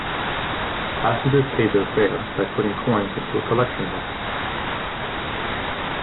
Passengers paid their fare by putting coins into a collection box.